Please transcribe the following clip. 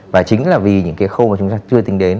và chính là vì những khâu mà chúng ta chưa tin đến